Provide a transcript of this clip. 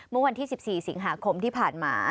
เมื่อวันที่๑๔สิงหาคมที่ผ่านมา